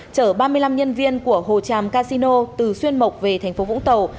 chở ba mươi năm nhân viên của hồ tràm casino từ xuyên mộc về tp vũng tàu